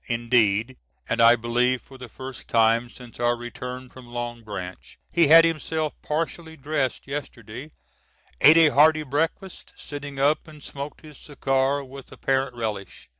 Indeed, and I believe for the first time since our return from Long Branch, he had himself partially dressed yesterday, ate a hearty breakfast, sitting up, and smoked his cigar with apparent relish.